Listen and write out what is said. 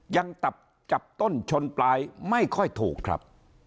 ยังจับต้นชนปลายไม่ค่อยถูกครับ